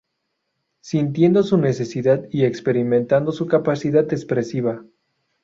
Sintiendo su necesidad y experimentando su capacidad expresiva.